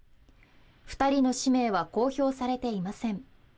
２人の氏名は公表されていません。